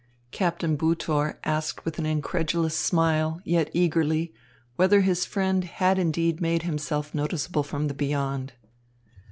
Captain Butor asked with an incredulous smile, yet eagerly, whether his friend had indeed made himself noticeable from the Beyond.